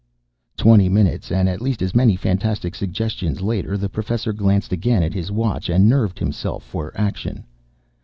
_" Twenty minutes and at least as many fantastic suggestions later, the Professor glanced again at his watch and nerved himself for action.